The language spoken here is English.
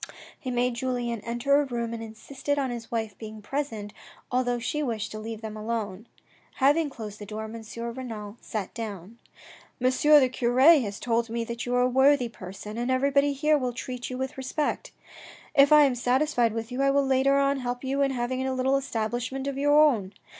He made Julien enter a room and insisted on his wife being present, although she wished to leave them alone. Having closed the door M. Renal sat down. " M. the cure has told me that you are a worthy person, and everybody here will treat you with respect. If I am satisfied with you I will later on help you in having a little establishment of your own.